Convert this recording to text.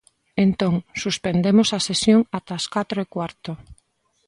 Entón, suspendemos a sesión ata as catro e cuarto.